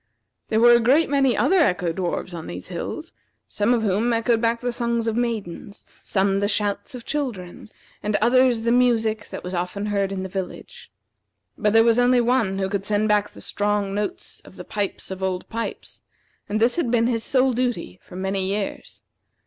There were a great many other Echo dwarfs on these hills, some of whom echoed back the songs of maidens, some the shouts of children, and others the music that was often heard in the village. But there was only one who could send back the strong notes of the pipes of Old Pipes, and this had been his sole duty for many years.